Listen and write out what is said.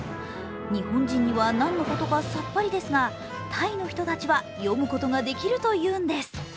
日本人には何のことかさっぱりですが、タイの人たちは読むことができるというんです。